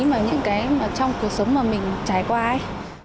mà những cái mà trong cuộc sống mà mình trải qua ấy